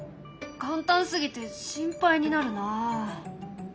簡単すぎて心配になるな。